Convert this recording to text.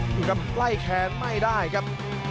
ดูครับไล่แขนไม่ได้ครับ